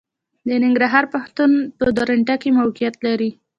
د ننګرهار پوهنتون په درنټه کې موقعيت لري.